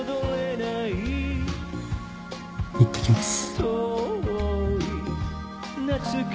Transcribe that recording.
いってきます。